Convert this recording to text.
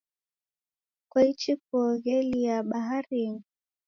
Kwaichi kuoghelia baharinyi?